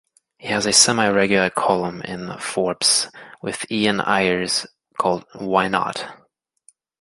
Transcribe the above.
He has a semi-regular column in "Forbes" with Ian Ayres called "Why Not?